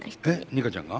ニカちゃんが？